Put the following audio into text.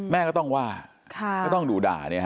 แม่ก็ต้องว่าก็ต้องดูด่า